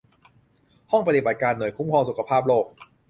ห้องปฏิบัติการหน่วยคุ้มครองสุขภาพโลก